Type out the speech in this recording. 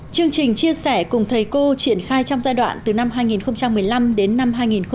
chương trình chia sẻ cùng thầy cô triển khai trong giai đoạn từ năm hai nghìn một mươi năm đến năm hai nghìn hai mươi